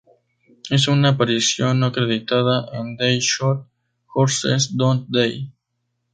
Hizo una aparición no acreditada en"They Shoot Horses, Don't They?